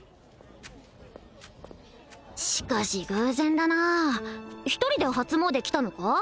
しかし偶然だな１人で初詣来たのか？